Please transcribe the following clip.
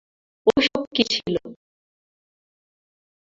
ওসব কী ছিল?